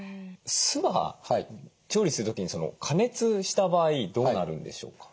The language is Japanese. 酢は調理する時に加熱した場合どうなるんでしょうか？